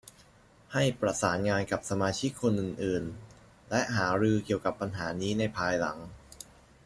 ให้ประสานงานกับสมาชิกคนอื่น ๆ และหารือเกี่ยวกับปัญหานี้ในภายหลัง